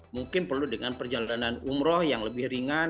mungkin perlu dengan perjalanan umroh yang lebih ringan